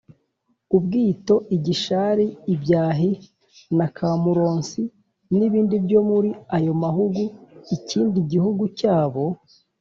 ubwito, igishari, ibyahi, na kamuronsi, n’ibindi byo muri ayo mahugu. ikindi gihugu cyabo